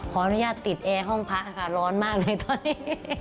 ขออนุญาตติดแอร์ห้องพระค่ะร้อนมากเลยตอนนี้